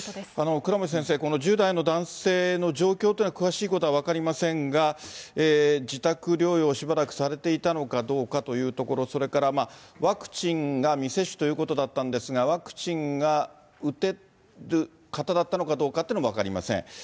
倉持先生、この１０代の男性の状況というのは、詳しいことは分かりませんが、自宅療養をしばらくされていたのかどうかというところ、それからワクチンが未接種ということだったんですが、ワクチンが打てる方だったのかどうかっていうのも分かりません。